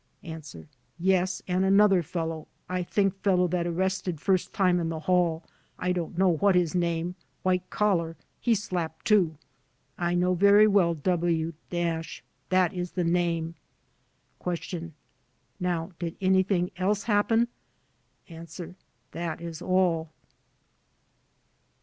A. "Yes, and another fellow — I think fellow that arrested first time in the hall — I don't know what his name — white collar, he slapped too. I know very well W , that is the name." Q. "Now, did anything else happen?" A. "That is all."